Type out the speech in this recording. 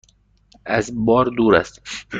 از بار دور است؟